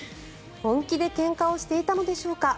本気でけんかをしていたのでしょうか。